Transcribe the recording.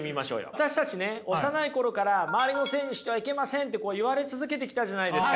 私たちね幼い頃から周りのせいにしてはいけませんって言われ続けてきたじゃないですか？